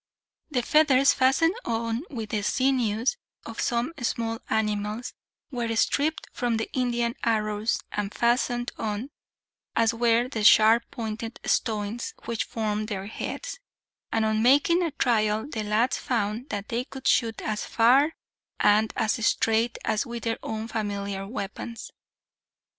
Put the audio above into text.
The feathers, fastened on with the sinews of some small animals, were stripped from the Indian arrows and fastened on, as were the sharp pointed stones which formed their heads; and on making a trial, the lads found that they could shoot as far and as straight as with their own familiar weapons.